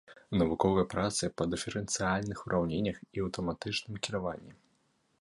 Навуковыя працы па дыферэнцыяльных ураўненнях і аўтаматычным кіраванні.